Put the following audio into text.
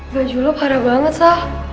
baju lok parah banget sah